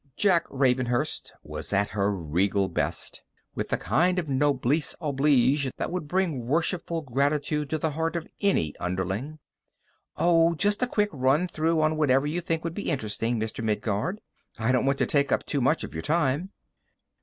Jack Ravenhurst was at her regal best, with the kind of noblesse oblige that would bring worshipful gratitude to the heart of any underling. "Oh, just a quick run through on whatever you think would be interesting, Mr. Midguard; I don't want to take up too much of your time."